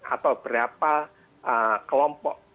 atau beberapa kelompok